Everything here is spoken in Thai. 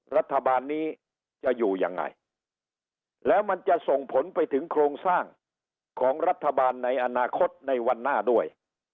รัฐบาลนี้จะอยู่ยังไงแล้วมันจะส่งผลไปถึงโครงสร้างของรัฐบาลในอนาคตในวันหน้าด้วย